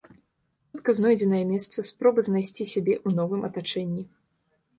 Хутка знойдзенае месца, спроба знайсці сябе ў новым атачэнні.